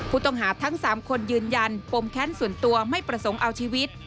ผู้ต้องหาทั้ง๓คนยืนยันปมแค้นส่วนตัวไม่ประสงค์เอาชีวิต